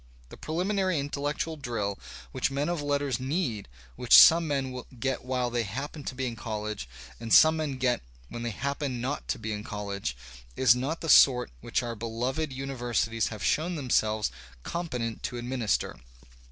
The preliminary intellectual drill which : men of letters need, which some men get while they happen / to be in college and some men get when they happen not to j be in college, is not the sort which our beloved imiversities \ have shown themselves competent to administer.